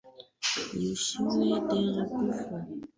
Yustina Areadius Rahhi kutoka Chama cha mapinduzi kupitia umoja wa wazazi